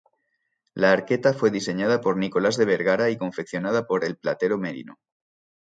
La arqueta fue diseñada por Nicolás de Vergara y confeccionada por el platero Merino.